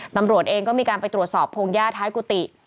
ตำรวจเองก็มีการไปตรวจสอบพงหญ้าท้ายกุฏิ